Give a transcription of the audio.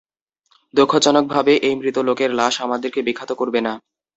দুঃখজনকভাবে, এই মৃত লোকের লাশ আমাদেরকে বিখ্যাত করবে না!